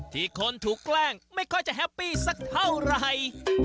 ที่คนถูกแกล้งไม่ค่อยจะแฮปปี้สักเท่าไหร่